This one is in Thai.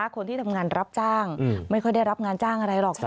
คนที่ทำงานรับจ้างไม่ค่อยได้รับงานจ้างอะไรหรอก